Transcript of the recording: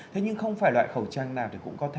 thế nhưng không phải loại khẩu trang nào cũng có